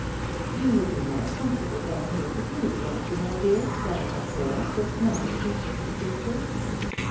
"You will be more comfortable down here with me, won't you, my dear, than up there, with not a creature to speak to?"